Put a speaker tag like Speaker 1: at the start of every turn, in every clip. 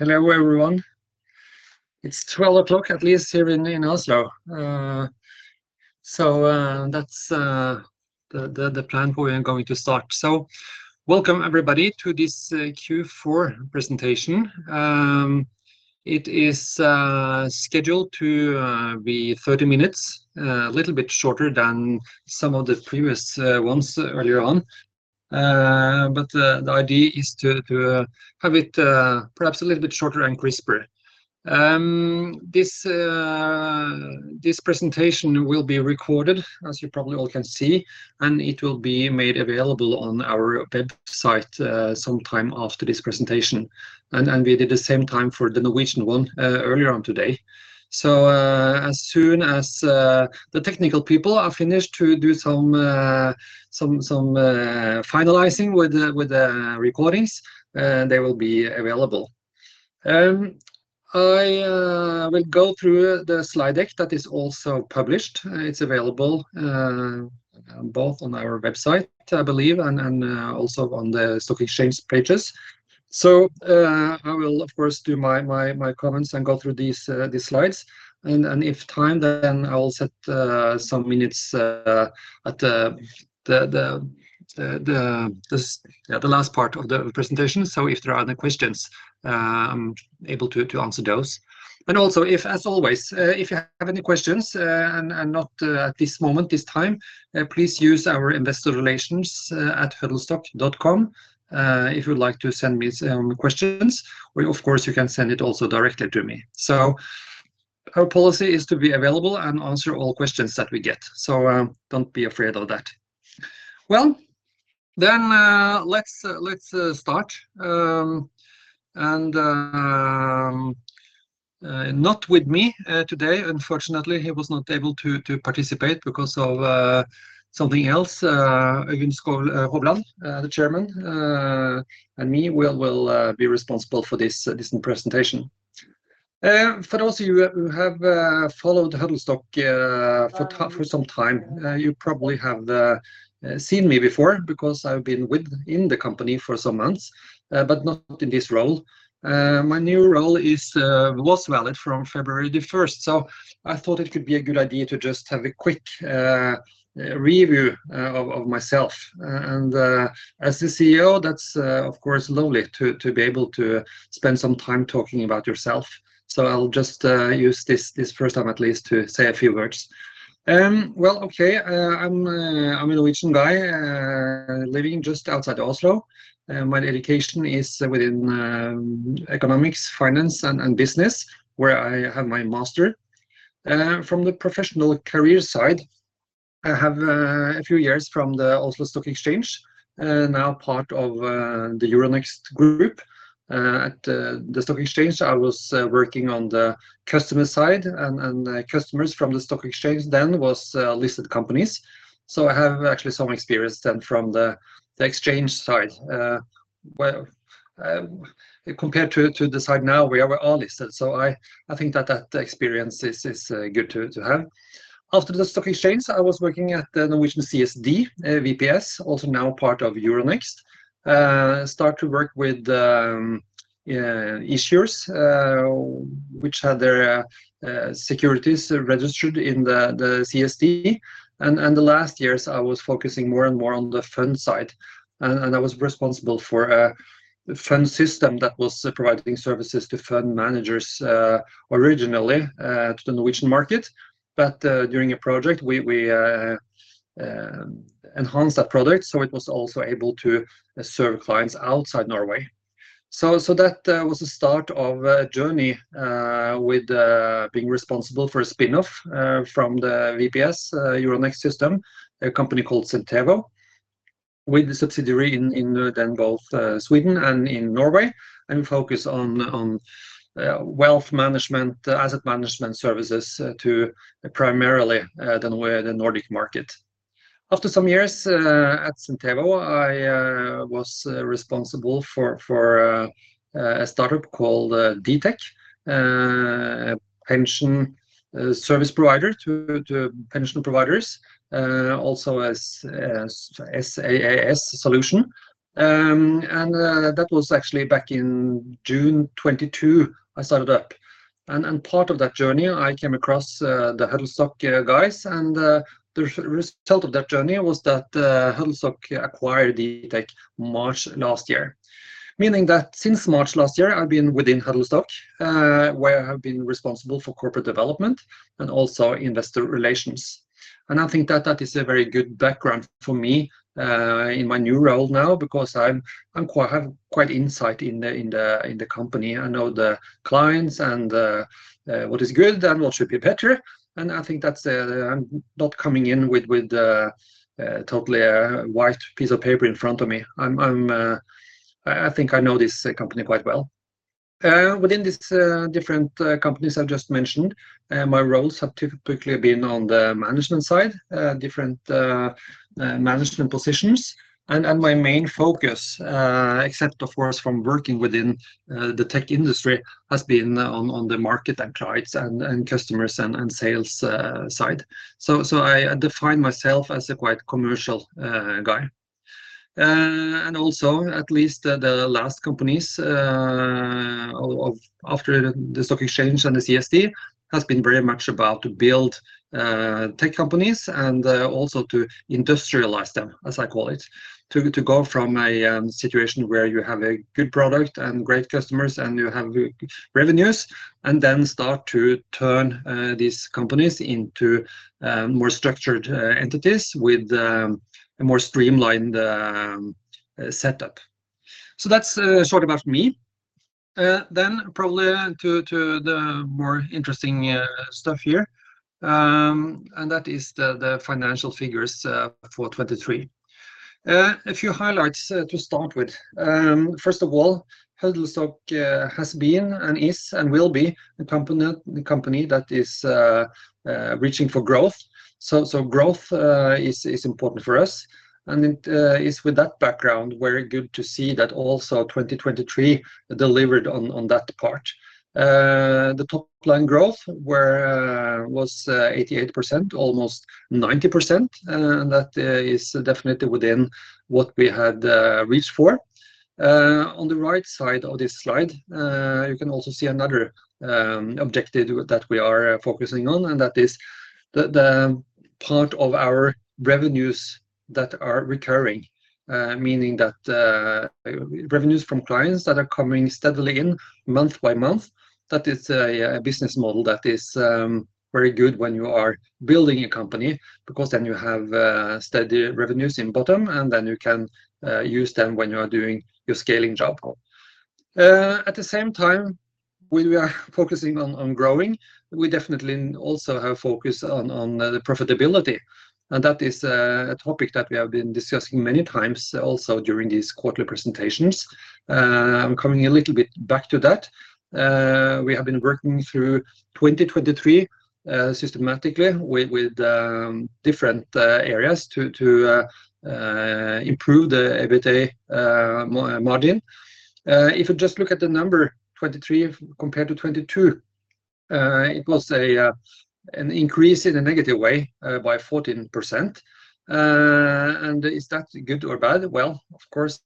Speaker 1: Hello everyone. It's 12 o'clock at least here in Oslo, so that's the plan for when going to start. So welcome everybody to this Q4 presentation. It is scheduled to be 30 minutes, a little bit shorter than some of the previous ones earlier on. But the idea is to have it perhaps a little bit shorter and crisper. This presentation will be recorded, as you probably all can see, and it will be made available on our website sometime after this presentation. And we did the same time for the Norwegian one earlier on today. So as soon as the technical people are finished to do some finalizing with the recordings, they will be available. I will go through the slide deck that is also published. It's available, both on our website, I believe, and also on the Stock Exchange pages. So, I will, of course, do my comments and go through these slides. If time, then I will set some minutes at the last part of the presentation. So if there are any questions, I'm able to answer those. And also, as always, if you have any questions and not at this moment, please use our investor relations at huddlestock.com if you'd like to send me questions, or of course, you can send it also directly to me. So our policy is to be available and answer all questions that we get. So, don't be afraid of that. Well, then, let's start, and not with me today. Unfortunately, he was not able to participate because of something else. John Skajem, Øyvind Hovland, the chairman, and me will be responsible for this presentation. For those of you who have followed Huddlestock for some time, you probably have seen me before because I've been within the company for some months, but not in this role. My new role was valid from February the 1st. So I thought it could be a good idea to just have a quick review of myself. As the CEO, that's of course lovely to be able to spend some time talking about yourself. So I'll just use this first time at least to say a few words. Well, okay. I'm a Norwegian guy, living just outside Oslo. My education is within economics, finance, and business, where I have my master. From the professional career side, I have a few years from the Oslo Stock Exchange, now part of the Euronext group. At the Stock Exchange, I was working on the customer side, and customers from the Stock Exchange then was listed companies. So I have actually some experience then from the exchange side, where compared to the side now where we're all listed. So I think that experience is good to have. After the Stock Exchange, I was working at the Norwegian CSD, VPS, also now part of Euronext, start to work with issuers, which had their securities registered in the CSD. And the last years, I was focusing more and more on the fund side. And I was responsible for a fund system that was providing services to fund managers, originally, to the Norwegian market. But during a project, we enhanced that product. So it was also able to serve clients outside Norway. So that was the start of a journey with being responsible for a spinoff from the VPS Euronext system, a company called Centevo with the subsidiary in then both Sweden and in Norway. And we focus on wealth management, asset management services to primarily the Norway, the Nordic market. After some years at Centevo, I was responsible for a startup called Dtech, pension service provider to pension providers, also as SaaS solution. And that was actually back in June 2022 I started up. And part of that journey, I came across the Huddlestock guys. The result of that journey was that Huddlestock acquired Dtech in March last year, meaning that since March last year, I've been within Huddlestock, where I have been responsible for corporate development and also investor relations. I think that that is a very good background for me in my new role now because I have quite an insight into the company. I know the clients and what is good and what should be better. I think that's. I'm not coming in with totally a white piece of paper in front of me. I think I know this company quite well. Within these different companies I've just mentioned, my roles have typically been on the management side, different management positions. And my main focus, except of course from working within the tech industry, has been on the market and clients and customers and sales side. So I define myself as a quite commercial guy. And also at least the last companies, of after the Stock Exchange and the CSD has been very much about to build tech companies and also to industrialize them, as I call it, to go from a situation where you have a good product and great customers and you have revenues and then start to turn these companies into more structured entities with a more streamlined setup. So that's short about me. Then probably to the more interesting stuff here. And that is the financial figures for 2023. A few highlights to start with. First of all, Huddlestock has been and is and will be a company that is reaching for growth. So growth is important for us. And it is with that background very good to see that also 2023 delivered on that part. The top line growth was 88%, almost 90%. And that is definitely within what we had reached for. On the right side of this slide, you can also see another objective that we are focusing on, and that is the part of our revenues that are recurring, meaning that revenues from clients that are coming steadily in month by month. That is a business model that is very good when you are building a company because then you have steady revenues at the bottom, and then you can use them when you are doing your scaling job. At the same time, when we are focusing on growing, we definitely also have focus on the profitability. And that is a topic that we have been discussing many times also during these quarterly presentations. I'm coming a little bit back to that. We have been working through 2023 systematically with different areas to improve the EBITDA margin. If you just look at the number 2023 compared to 2022, it was an increase in a negative way by 14%. And is that good or bad? Well, of course,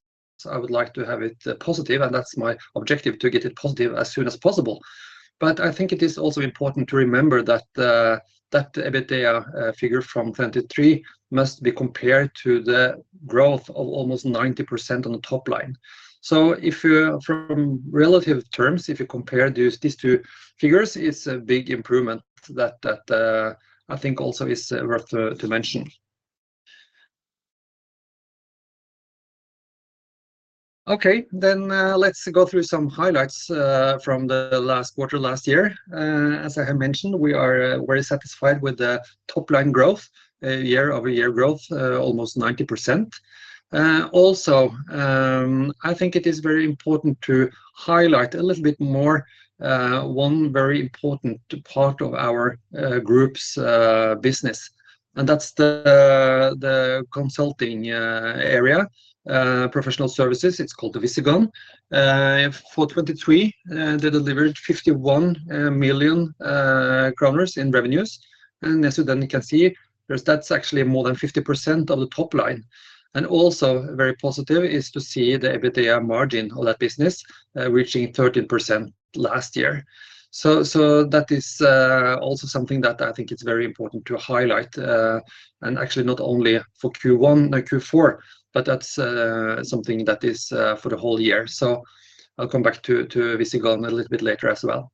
Speaker 1: I would like to have it positive, and that's my objective to get it positive as soon as possible. But I think it is also important to remember that EBITDA figure from 2023 must be compared to the growth of almost 90% on the top line. So if you from relative terms, if you compare these, these two figures, it's a big improvement that, that, I think also is worth to, to mention. Okay. Then, let's go through some highlights, from the last quarter last year. As I have mentioned, we are, very satisfied with the top line growth, year-over-year growth, almost 90%. Also, I think it is very important to highlight a little bit more, one very important part of our, group's, business. And that's the, the consulting, area, professional services. It's called the Visigon. For 2023, they delivered 51 million kroner in revenues. And as you then can see, there's that's actually more than 50% of the top line. And also very positive is to see the EBITDA margin of that business, reaching 13% last year. So, that is also something that I think it's very important to highlight, and actually not only for Q1 and Q4, but that's something that is for the whole year. So I'll come back to Visigon a little bit later as well.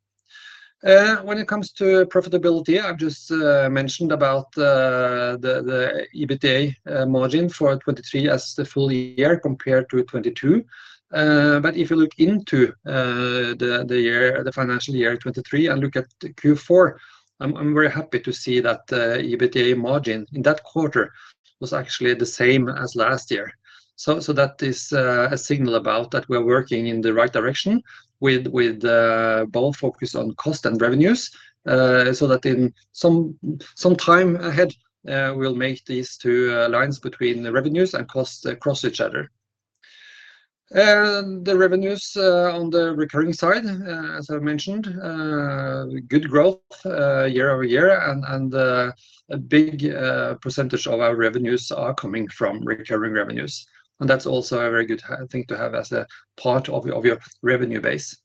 Speaker 1: When it comes to profitability, I've just mentioned about the EBITDA margin for 2023 as the full year compared to 2022. But if you look into the year, the financial year 2023 and look at Q4, I'm very happy to see that EBITDA margin in that quarter was actually the same as last year. So that is a signal about that we are working in the right direction with both focus on cost and revenues, so that in some time ahead, we'll make these two lines between the revenues and cost cross each other. The revenues, on the recurring side, as I mentioned, good growth, year-over-year, and a big percentage of our revenues are coming from recurring revenues. And that's also a very good thing to have as a part of your revenue base.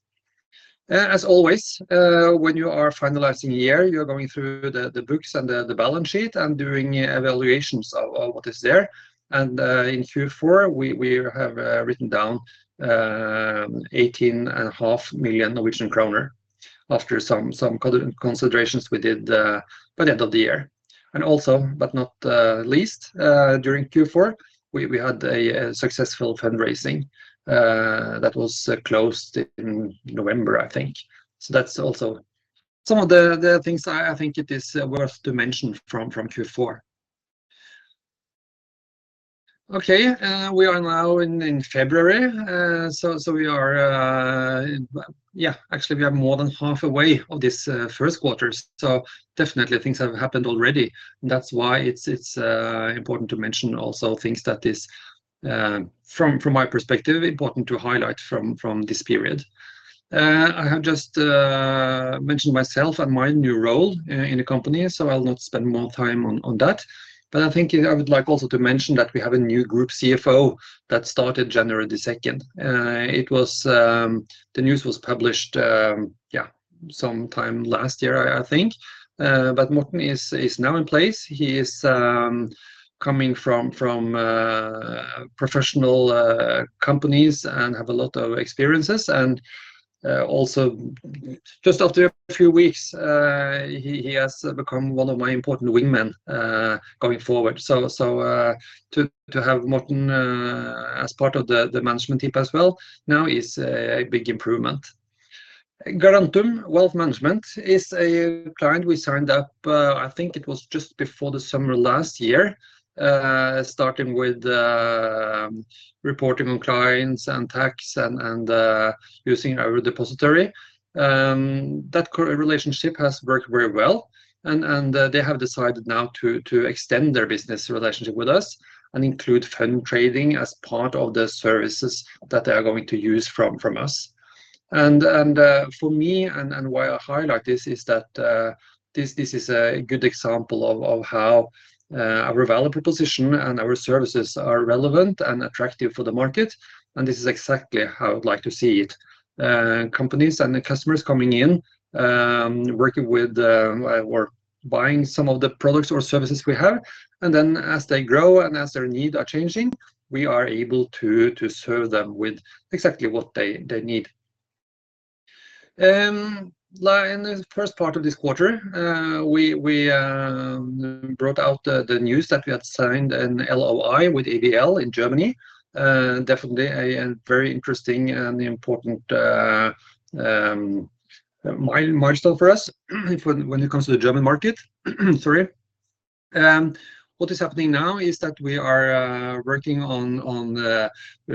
Speaker 1: As always, when you are finalizing a year, you're going through the books and the balance sheet and doing evaluations of what is there. And in Q4, we have written down 18.5 million Norwegian kroner after some considerations we did by the end of the year. And also, but not least, during Q4, we had a successful fundraising that was closed in November, I think. So that's also some of the things I think it is worth to mention from Q4. Okay. We are now in February. So, yeah, actually, we are more than halfway through this Q1. So definitely things have happened already. And that's why it's important to mention also things that is, from my perspective, important to highlight from this period. I have just mentioned myself and my new role in the company. So I'll not spend more time on that. But I think I would like also to mention that we have a new Group CFO that started January 2. It was, the news was published, yeah, sometime last year, I think. But Morten is now in place. He is coming from professional companies and have a lot of experiences. And also just after a few weeks, he has become one of my important wingmen, going forward. So, to have Morten as part of the management team as well now is a big improvement. Garantum Wealth Management is a client we signed up, I think it was just before the summer last year, starting with reporting on clients and tax and using our depository. That relationship has worked very well. And they have decided now to extend their business relationship with us and include fund trading as part of the services that they are going to use from us. And for me, why I highlight this is that this is a good example of how our value proposition and our services are relevant and attractive for the market. And this is exactly how I'd like to see it. Companies and customers coming in, working with, or buying some of the products or services we have. And then as they grow and as their needs are changing, we are able to serve them with exactly what they need. In the first part of this quarter, we brought out the news that we had signed an LOI with AVL in Germany. Definitely a very interesting and important milestone for us for when it comes to the German market. Sorry. What is happening now is that we are working on the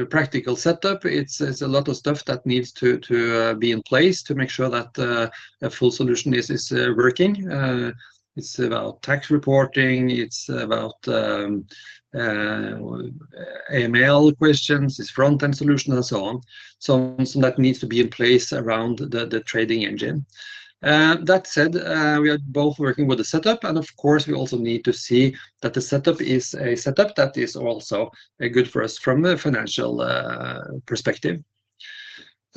Speaker 1: practical setup. It's a lot of stuff that needs to be in place to make sure that a full solution is working. It's about tax reporting. It's about AML questions, its front-end solution, and so on. Some that needs to be in place around the trading engine. That said, we are both working with the setup. And of course, we also need to see that the setup is a setup that is also good for us from a financial perspective.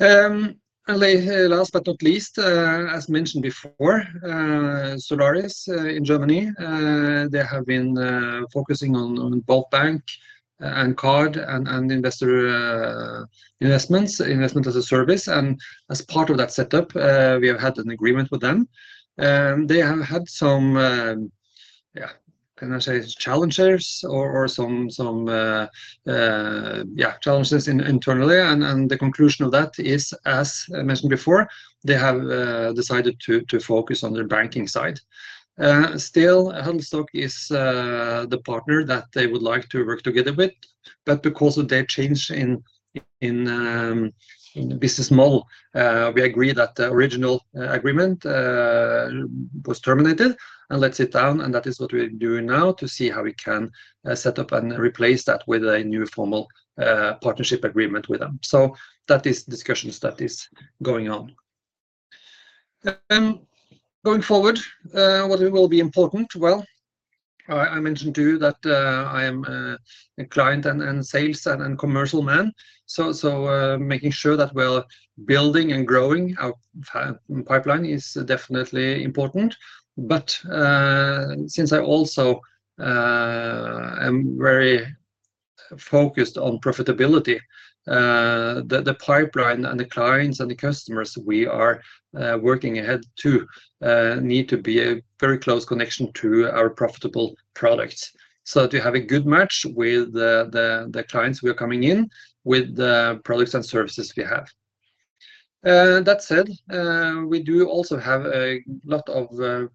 Speaker 1: And last but not least, as mentioned before, Solaris in Germany, they have been focusing on both bank and card and investor investments, investment as a service. And as part of that setup, we have had an agreement with them. They have had some challenges internally. And the conclusion of that is, as mentioned before, they have decided to focus on their banking side. Still, Huddlestock is the partner that they would like to work together with. But because of their change in business model, we agree that the original agreement was terminated and let's sit down. That is what we're doing now to see how we can set up and replace that with a new formal partnership agreement with them. So that is discussions that is going on. Going forward, what will be important? Well, I mentioned too that I am a client and sales and commercial man. So, making sure that we are building and growing our pipeline is definitely important. But since I also am very focused on profitability, the pipeline and the clients and the customers we are working ahead to need to be a very close connection to our profitable products so that we have a good match with the clients we are coming in with the products and services we have. That said, we do also have a lot of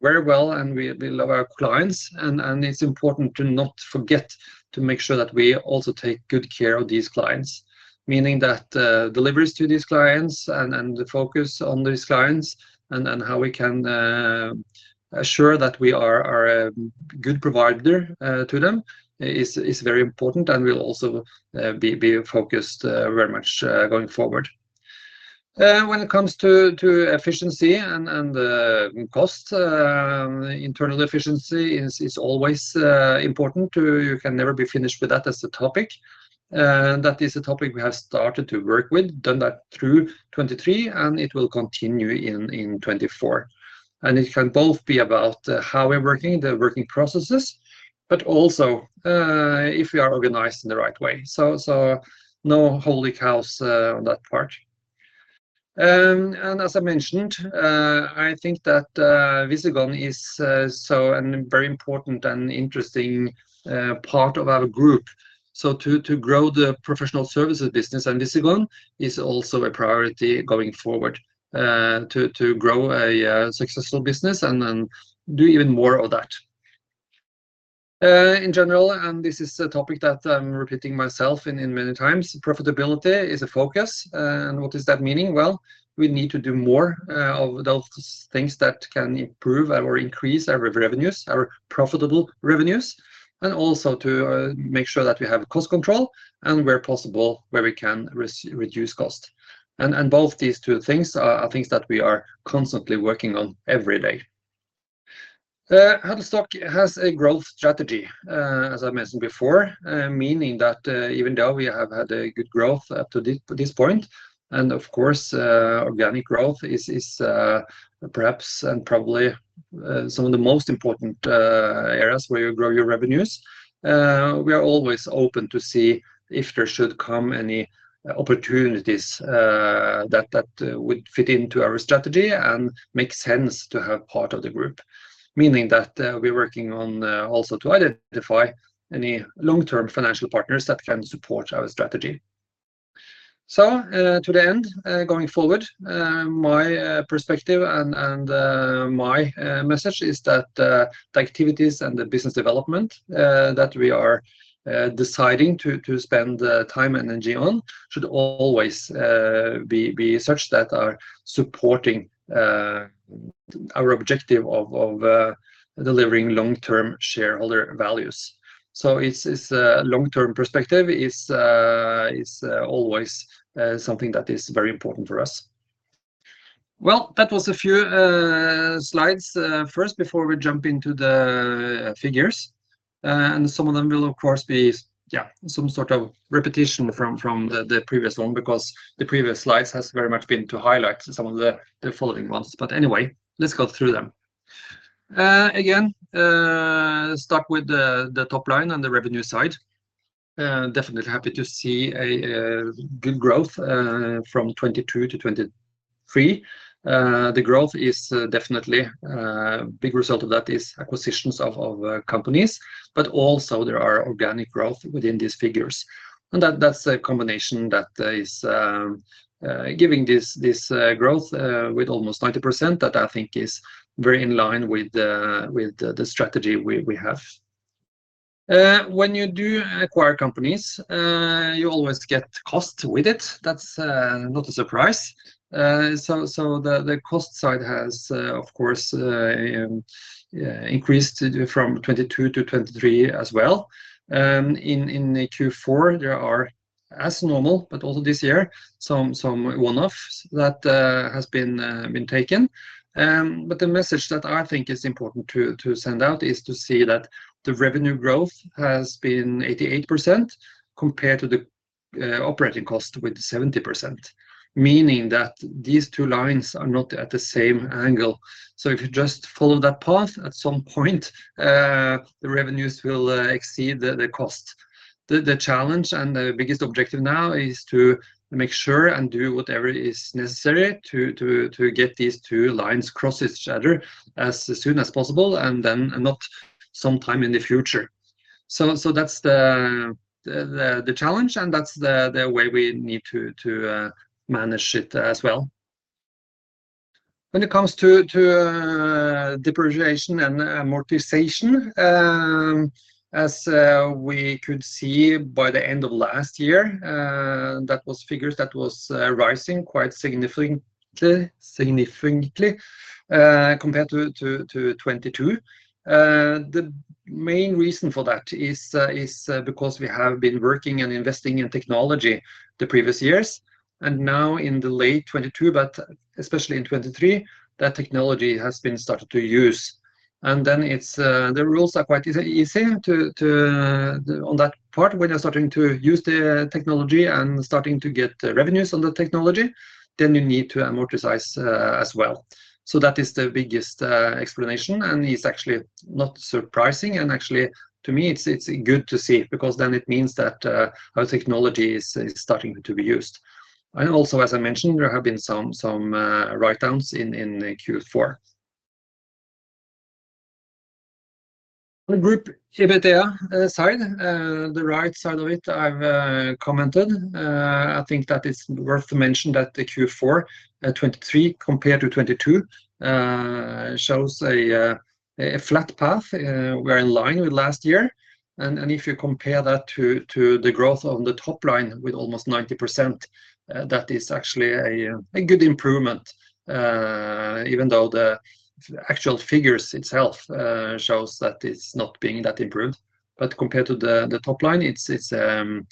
Speaker 1: very well, and we love our clients. And it's important to not forget to make sure that we also take good care of these clients, meaning that deliveries to these clients and the focus on these clients and how we can assure that we are a good provider to them is very important. And we'll also be focused very much going forward. When it comes to efficiency and cost, internal efficiency is always important. You can never be finished with that as a topic. That is a topic we have started to work with, done that through 2023, and it will continue in 2024. And it can both be about how we're working, the working processes, but also if we are organized in the right way. So no holy cows on that part. As I mentioned, I think that Visigon is so a very important and interesting part of our group. So to grow the professional services business and Visigon is also a priority going forward, to grow a successful business and do even more of that. In general, this is a topic that I'm repeating myself in many times. Profitability is a focus. What is that meaning? Well, we need to do more of those things that can improve our increase our revenues, our profitable revenues, and also to make sure that we have cost control and where possible, where we can reduce cost. And both these two things are things that we are constantly working on every day. Huddlestock has a growth strategy, as I mentioned before, meaning that, even though we have had a good growth up to this point, and of course, organic growth is perhaps and probably some of the most important areas where you grow your revenues. We are always open to see if there should come any opportunities that would fit into our strategy and make sense to have part of the group, meaning that we're working on also to identify any long-term financial partners that can support our strategy. So, to the end, going forward, my perspective and my message is that the activities and the business development that we are deciding to spend time and energy on should always be such that are supporting our objective of delivering long-term shareholder values. So it's a long-term perspective that is always something that is very important for us. Well, that was a few slides first before we jump into the figures. And some of them will, of course, be some sort of repetition from the previous one because the previous slides has very much been to highlight some of the following ones. But anyway, let's go through them again. Start with the top line and the revenue side. Definitely happy to see a good growth from 2022 to 2023. The growth is definitely a big result of that is acquisitions of companies. But also there are organic growth within these figures. And that's a combination that is giving this growth with almost 90% that I think is very in line with the strategy we have. When you do acquire companies, you always get cost with it. That's not a surprise. So the cost side has, of course, increased from 2022 to 2023 as well. In Q4, there are as normal, but also this year, some one-offs that have been taken. But the message that I think is important to send out is to see that the revenue growth has been 88% compared to the operating cost with 70%, meaning that these two lines are not at the same angle. So if you just follow that path, at some point, the revenues will exceed the cost. The challenge and the biggest objective now is to make sure and do whatever is necessary to get these two lines cross each other as soon as possible and then not sometime in the future. So that's the challenge. And that's the way we need to manage it as well. When it comes to depreciation and amortization, as we could see by the end of last year, that was figures that was rising quite significantly compared to 2022. The main reason for that is because we have been working and investing in technology the previous years. And now in the late 2022, but especially in 2023, that technology has been started to use. And then it's the rules are quite easy to on that part when you're starting to use the technology and starting to get revenues on the technology, then you need to amortize, as well. So that is the biggest explanation. And it's actually not surprising. Actually, to me, it's good to see because then it means that our technology is starting to be used. Also, as I mentioned, there have been some write-downs in Q4. On the group EBITDA side, the right side of it, I've commented. I think that it's worth to mention that the Q4 2023 compared to 2022 shows a flat path. We are in line with last year. If you compare that to the growth on the top line with almost 90%, that is actually a good improvement, even though the actual figures itself shows that it's not being that improved. But compared to the top line, it's a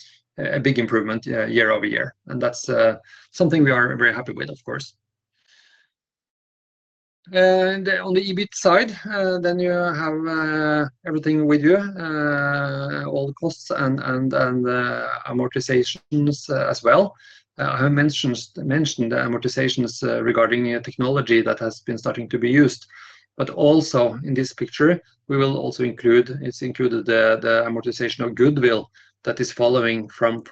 Speaker 1: big improvement year-over-year. That's something we are very happy with, of course. On the EBIT side, then you have everything with you, all the costs and amortizations as well. I have mentioned the amortizations regarding technology that has been starting to be used. But also in this picture, we will also include; it's included the amortization of goodwill that is following from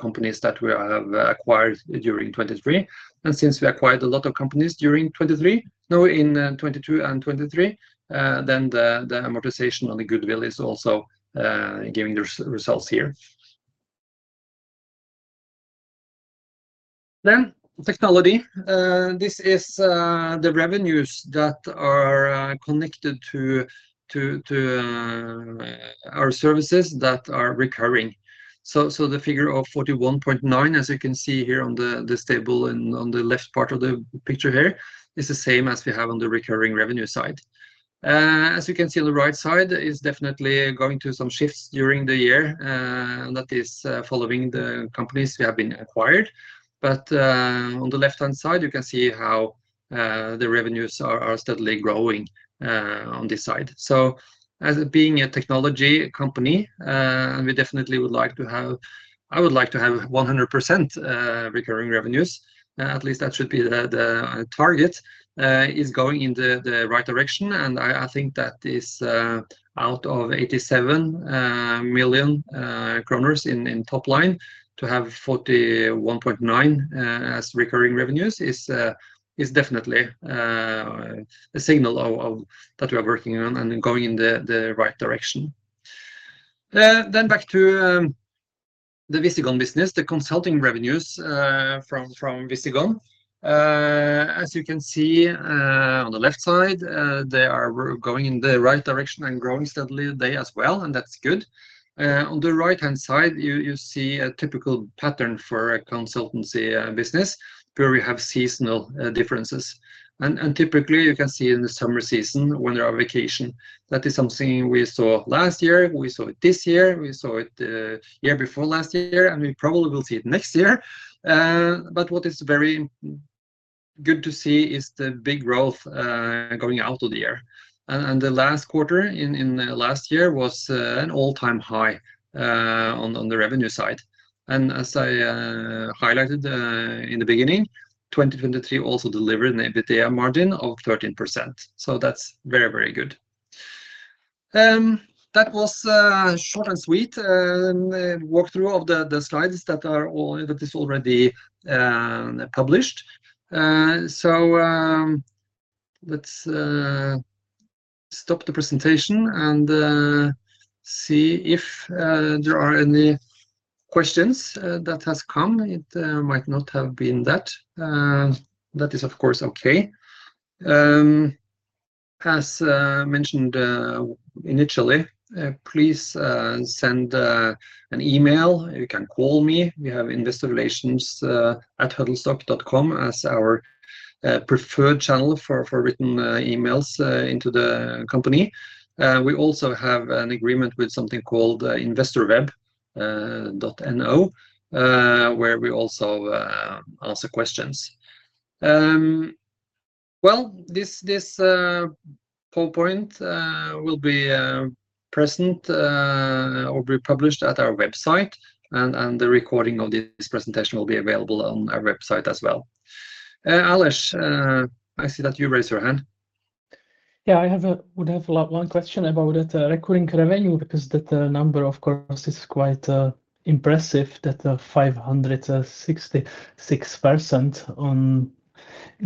Speaker 1: companies that we have acquired during 2023. And since we acquired a lot of companies during 2023, now in 2022 and 2023, then the amortization on the goodwill is also giving the results here. Then technology, this is the revenues that are connected to our services that are recurring. So the figure of 41.9, as you can see here on the table on the left part of the picture here, is the same as we have on the recurring revenue side. As you can see on the right side, it's definitely going through some shifts during the year, that is, following the companies we have been acquired. But, on the left-hand side, you can see how the revenues are steadily growing on this side. So as being a technology company, and we definitely would like to have. I would like to have 100% recurring revenues, at least that should be the target, is going in the right direction. And I think that is, out of 87 million kroner in top line to have 41.9 million as recurring revenues is definitely a signal of that we are working on and going in the right direction. Then back to the Visigon business, the consulting revenues from Visigon. As you can see, on the left side, they are going in the right direction and growing steadily today as well. And that's good. On the right-hand side, you, you see a typical pattern for a consultancy business where we have seasonal differences. And typically you can see in the summer season when there are vacation. That is something we saw last year. We saw it this year. We saw it year before last year. And we probably will see it next year. But what is very good to see is the big growth going out of the year. And the last quarter in last year was an all-time high on the revenue side. And as I highlighted in the beginning, 2023 also delivered an EBITDA margin of 13%. So that's very, very good. That was short and sweet walkthrough of the slides that are all that is already published. Let's stop the presentation and see if there are any questions that has come. It might not have been that. That is, of course, okay. As mentioned initially, please send an email. You can call me. We have investorrelations@huddlestock.com as our preferred channel for written emails into the company. We also have an agreement with something called investorweb.no, where we also answer questions. Well, this PowerPoint will be present or be published at our website. The recording of this presentation will be available on our website as well. Aleš, I see that you raised your hand.
Speaker 2: Yeah, I have one question about that, recurring revenue because that number, of course, is quite impressive, that 566%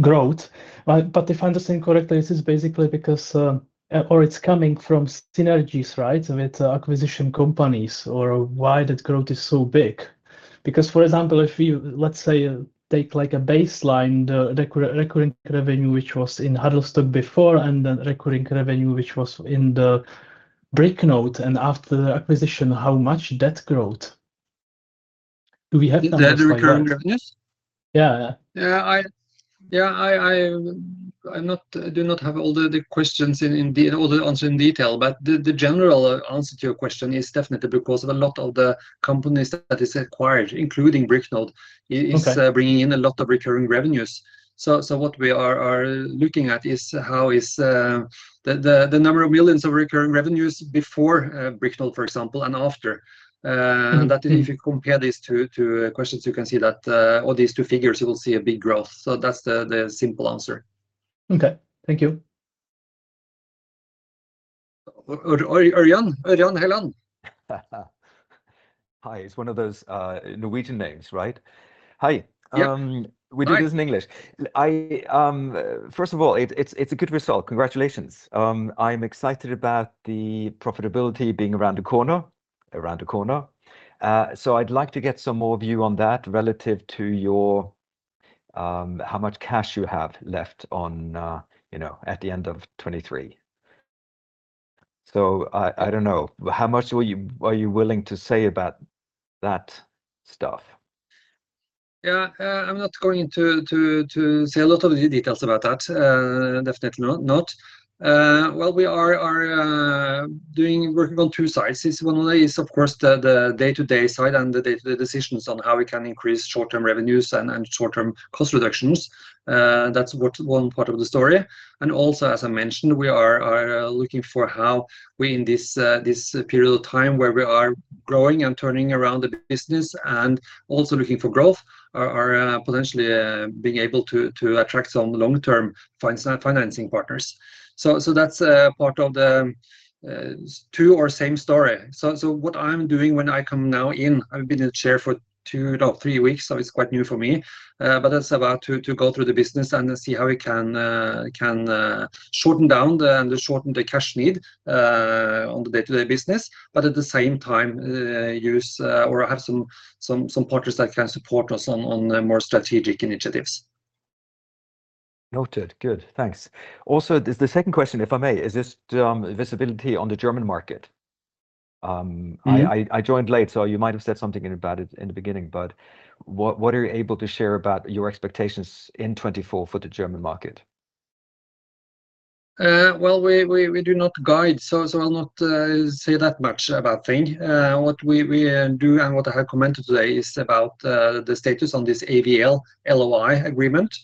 Speaker 2: growth. But if I understand correctly, this is basically because, or it's coming from synergies, right, with acquisition companies or why that growth is so big. Because, for example, if you, let's say, take like a baseline, the recurring revenue which was in Huddlestock before and then recurring revenue which was in the Bricknode and after the acquisition, how much net growth do we have?
Speaker 1: Net recurring revenues?
Speaker 2: Yeah, yeah.
Speaker 1: Yeah, I do not have all the questions in all the answers in detail. But the general answer to your question is definitely because of a lot of the companies that is acquired, including Bricknode, is bringing in a lot of recurring revenues. So what we are looking at is how the number of millions of recurring revenues before Bricknode, for example, and after. And that is if you compare these two figures, you will see a big growth. So that's the simple answer.
Speaker 2: Okay. Thank you.
Speaker 1: Jan, hello.
Speaker 3: Hi. It's one of those Norwegian names, right? Hi. We do this in English. I, first of all, it's a good result. Congratulations. I'm excited about the profitability being around the corner, around the corner. So I'd like to get some more view on that relative to your, how much cash you have left on, you know, at the end of 2023. So I, I don't know. How much will you, are you willing to say about that stuff?
Speaker 1: Yeah, I'm not going to say a lot of the details about that. Definitely not. Well, we are working on two sides. One of them is, of course, the day-to-day side and the day-to-day decisions on how we can increase short-term revenues and short-term cost reductions. That's one part of the story. And also, as I mentioned, we are looking for how we in this period of time where we are growing and turning around the business and also looking for growth are potentially being able to attract some long-term financing partners. So that's part of the two or same story. So what I'm doing when I come in now, I've been in the chair for two, no, three weeks. So it's quite new for me. But that's about to go through the business and see how we can shorten down and shorten the cash need on the day-to-day business, but at the same time use or have some partners that can support us on more strategic initiatives.
Speaker 3: Noted. Good. Thanks. Also, the second question, if I may, is just visibility on the German market. I joined late, so you might have said something about it in the beginning, but what are you able to share about your expectations in 2024 for the German market? Well, we do not guide. So, I'll not say that much about things. What we do and what I have commented today is about the status on this AVL LOI agreement,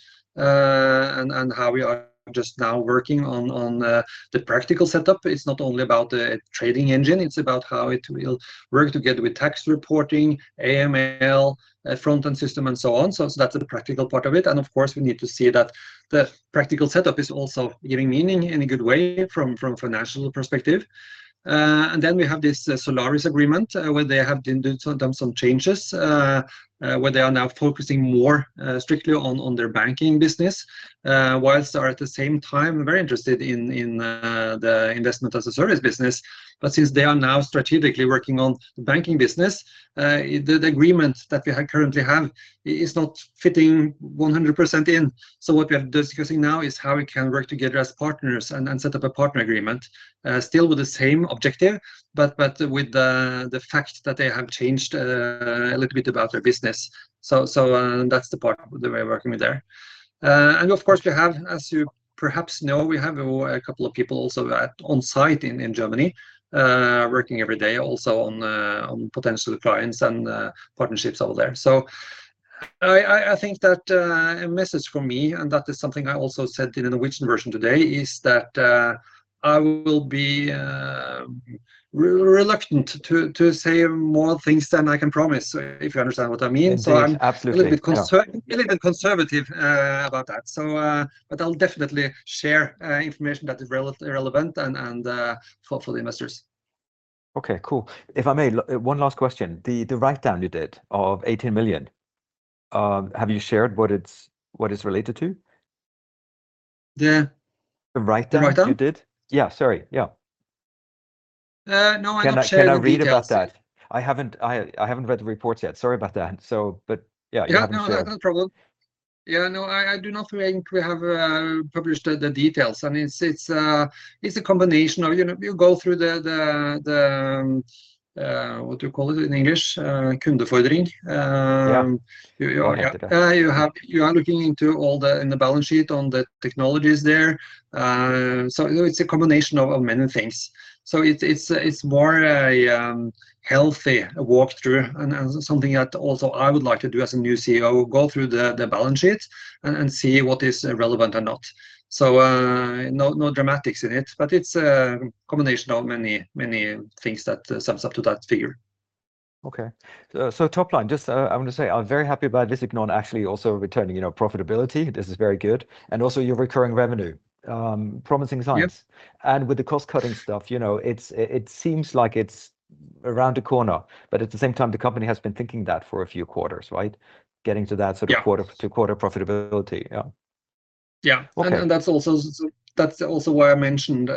Speaker 3: and how we are just now working on the practical setup. It's not only about the trading engine. It's about how it will work together with tax reporting, AML, front-end system, and so on. So, that's the practical part of it. And of course, we need to see that the practical setup is also giving meaning in a good way from a financial perspective. And then we have this Solaris agreement where they have been doing some changes, where they are now focusing more strictly on their banking business, while they are at the same time very interested in the investment as a service business. But since they are now strategically working on the banking business, the agreement that we currently have is not fitting 100% in. So what we are discussing now is how we can work together as partners and set up a partner agreement, still with the same objective, but with the fact that they have changed a little bit about their business. So that's the part that we are working with there. Of course, we have, as you perhaps know, we have a couple of people also at onsite in Germany, working every day also on potential clients and partnerships over there. So I think that a message for me, and that is something I also said in the Norwegian version today, is that I will be reluctant to say more things than I can promise if you understand what I mean. So I'm a little bit conservative, a little bit conservative, about that. So, but I'll definitely share information that is relevant and for the investors. Okay. Cool. If I may, one last question. The write-down you did of 18 million, have you shared what it's related to?
Speaker 1: The.
Speaker 3: The write-down you did? Yeah. Sorry. Yeah.
Speaker 1: No, I haven't shared the details.
Speaker 3: Can I read about that? I haven't read the reports yet. Sorry about that. So, but yeah, you haven't shared.
Speaker 1: Yeah. No, no problem. Yeah. No, I do not think we have published the details. I mean, it's a combination of, you know, you go through the, the, what do you call it in English? Kundefordring. You are looking into all the in the balance sheet on the technologies there. So it's a combination of many things. So it's more a healthy walkthrough and something that also I would like to do as a new CEO, go through the balance sheet and see what is relevant or not. So, no dramatics in it, but it's a combination of many things that sums up to that figure.
Speaker 3: Okay. So, top line, just, I want to say I'm very happy about Visigon actually also returning, you know, profitability. This is very good. And also your recurring revenue, promising signs. And with the cost-cutting stuff, you know, it's, it seems like it's around the corner, but at the same time, the company has been thinking that for a few quarters, right? Getting to that sort of quarter-to-quarter profitability. Yeah.
Speaker 1: Yeah. And that's also why I mentioned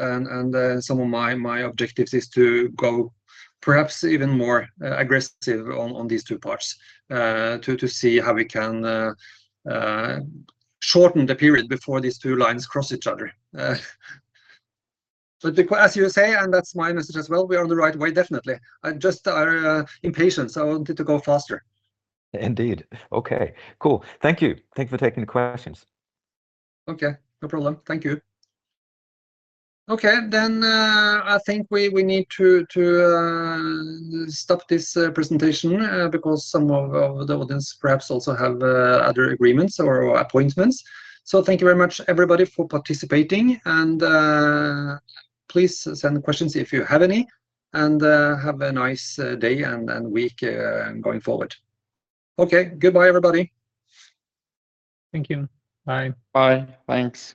Speaker 1: some of my objectives is to go perhaps even more aggressive on these two parts, to see how we can shorten the period before these two lines cross each other. But as you say, and that's my message as well, we are on the right way, definitely. I just are impatient. So I wanted to go faster.
Speaker 3: Indeed. Okay. Cool. Thank you. Thanks for taking the questions.
Speaker 1: Okay. No problem. Thank you. Okay. Then, I think we need to stop this presentation, because some of the audience perhaps also have other agreements or appointments. So thank you very much, everybody, for participating. And please send questions if you have any and have a nice day and week, going forward. Okay. Goodbye, everybody.
Speaker 3: Thank you. Bye.
Speaker 1: Bye. Thanks.